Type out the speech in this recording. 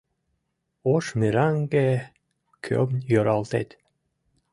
Ош мераҥге, кӧм йӧралтет